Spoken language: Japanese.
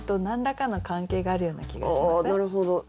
なるほど。